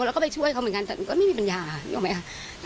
แล้วก็ไปช่วยเขาเหมือนกันแต่ก็ไม่มีปัญญานึกออกไหมคะ